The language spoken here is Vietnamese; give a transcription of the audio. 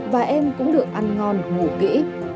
và em cũng được ăn ngon ngủ kỹ